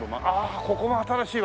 ここも新しいわ。